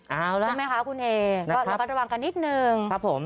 เอาละใช่มั้ยคะคุณเอระวังกันนิดนึง